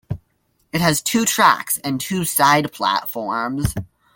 It has two tracks and two side platforms.